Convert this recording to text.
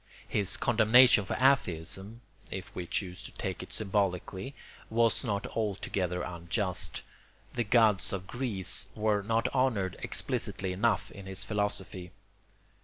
His condemnation for atheism—if we choose to take it symbolically—was not altogether unjust: the gods of Greece were not honoured explicitly enough in his philosophy.